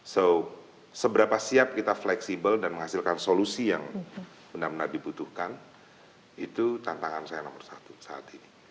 so seberapa siap kita fleksibel dan menghasilkan solusi yang benar benar dibutuhkan itu tantangan saya nomor satu saat ini